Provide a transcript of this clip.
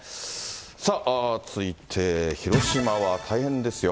さあ、続いて広島は大変ですよ。